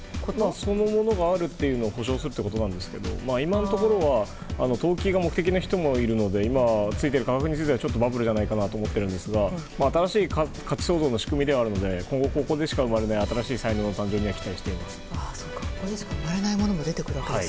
そのものがあるというのを保証するということですけど今のところは投機が目的な人もいるので今ついている価格についてはバブルじゃないかと思っているんですが新しい活路、仕組みではあるので今後ここでしか生まれない新しい才能を期待しています。